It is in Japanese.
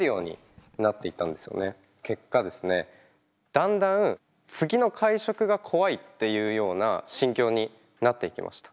だんだん次の会食が怖いっていうような心境になっていきました。